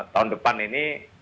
tahun depan ini